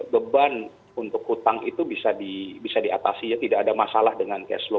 beban untuk utang itu bisa diatasi tidak ada masalah dengan cash flow